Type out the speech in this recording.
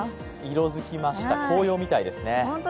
色づきました紅葉みたいですね。